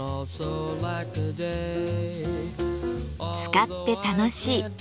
使って楽しい。